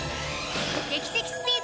劇的スピード！